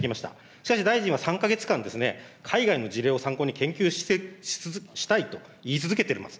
しかし大臣は３か月間ですね、海外の事例を参考に、研究したいと言い続けてます。